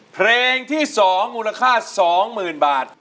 เพลงที่สองมูลค่าสองหมื่นบาท